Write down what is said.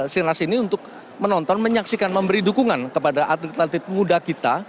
silahkan hadir ke sinar sini untuk menonton menyaksikan memberi dukungan kepada atlet atlet muda kita